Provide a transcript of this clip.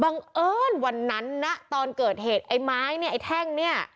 เอิญวันนั้นนะตอนเกิดเหตุไอ้ไม้เนี่ยไอ้แท่งเนี่ย